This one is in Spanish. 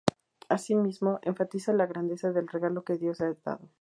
Así mismo, enfatiza la "grandeza del regalo que Dios ha dado".